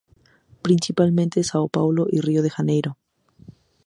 Principalmente en São Paulo y Río de Janeiro.